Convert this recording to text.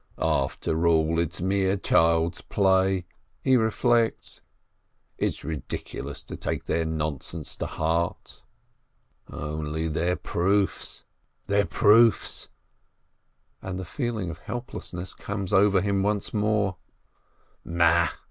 "After all, it's mere child's play," he reflects. "It's ridiculous to take their nonsense to heart." "Only their proofs, their proofs!" and the feeling of helplessness comes over him once more. "Ma !"